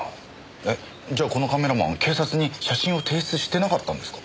えっじゃあこのカメラマン警察に写真を提出してなかったんですか？